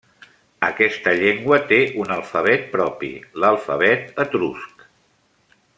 Aquesta llengua té un alfabet propi, l'alfabet etrusc.